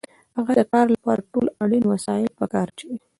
هغه د کار لپاره ټول اړین وسایل په کار اچوي